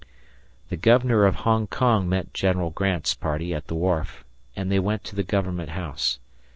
The Governor of Hong Kong met General Grant's party at the wharf, and they went to the Government House.